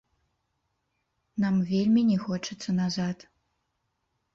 Нам вельмі не хочацца назад.